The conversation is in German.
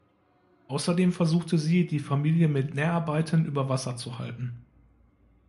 Außerdem versuchte sie, die Familie mit Näharbeiten über Wasser zu halten.